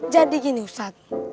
jadi gini ustadz